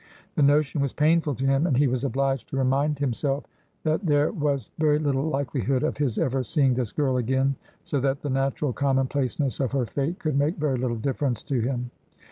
"The notion was painful to him, and he was obliged to remind himself that there was very little likelihood of his ever seeing this girl again, so that the natural commonplaceness of her fate could make very little difference to him.